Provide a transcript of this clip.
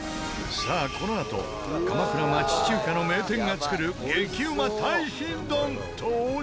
さあこのあと鎌倉町中華の名店が作る激うまタイシン丼登場！